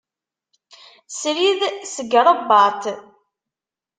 Srid seg Ṛebbat.